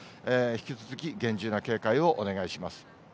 引き続き厳重な警戒をお願いします。